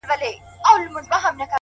دا درې جامونـه پـه واوښـتـل ـ